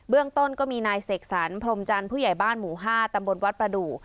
ต้นก็มีนายเสกสรรพรมจันทร์ผู้ใหญ่บ้านหมู่๕ตำบลวัดประดูก